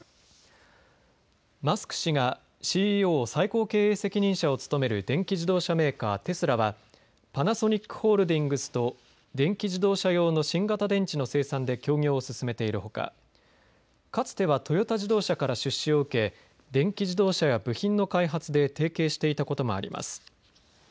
マスク氏がＣＥＯ・最高経営責任者を務める電気自動車メーカー、テスラはパナソニックホールディングスと電気自動車用の新型電池の生産で協業を進めているほかかつてはトヨタ自動車から出資を受け、電気自動車や部品の開発で提携していたこともあります。